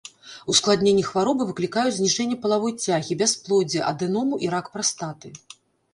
Ускладненні хваробы выклікаюць зніжэнне палавой цягі, бясплоддзе, адэному і рак прастаты.